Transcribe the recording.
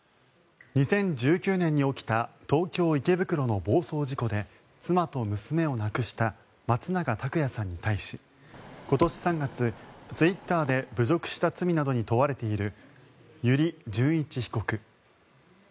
２０１９年に起きた東京・池袋の暴走事故で妻と娘を亡くした松永拓也さんに対し今年３月、ツイッターで侮辱した罪などに問われている油利潤一被告。